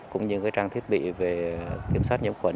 cũng như trang thiết bị về kiểm soát nhiễm khuẩn